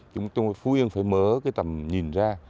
chúng phú yên phải mở cái tầm nhìn ra